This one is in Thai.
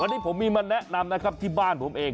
วันนี้ผมมีมาแนะนำนะครับที่บ้านผมเอง